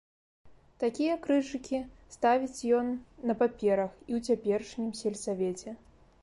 Такія крыжыкі ставіць ён на паперах і ў цяперашнім сельсавеце.